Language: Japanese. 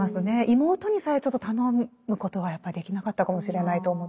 妹にさえちょっと頼むことはやっぱりできなかったかもしれないと思ったり。